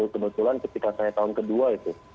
kebetulan ketika saya tahun ke dua itu